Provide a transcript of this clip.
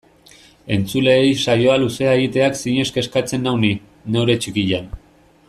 Entzuleei saioa luze egiteak zinez kezkatzen nau ni, neure txikian.